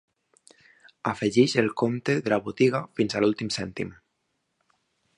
Afegeix el compte de la botiga fins a l'últim cèntim.